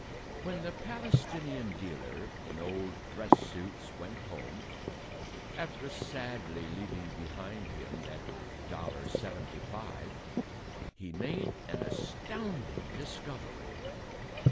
When the Palestinian dealer in old dress suits went home after sadly leaving behind him that dollar seventy five he made an astonishing discovery.